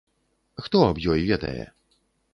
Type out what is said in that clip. Хто аб ёй ведае?